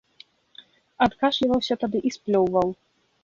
Адкашліваўся тады і сплёўваў.